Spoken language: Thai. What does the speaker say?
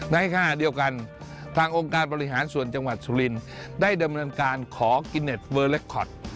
ในขณะเดียวกันทางองค์การบริหารส่วนจังหวัดสุรินทร์ได้ดำเนินการขอกินเน็ตเวอร์เล็กคอต